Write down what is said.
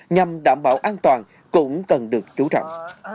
nhằm đảm bảo an toàn cũng cần được chú trọng